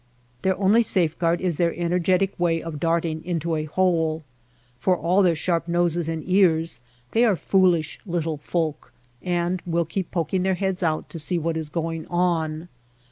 Their only safeguard is their energetic way of darting into a hole. For all their sharp noses and ears they are foolish little folk and will keep poking their heads out to see what is go ing on.